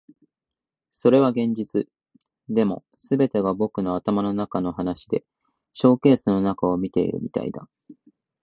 それは現実。でも、全てが僕の頭の中の話でショーケースの中を見ているみたいだ。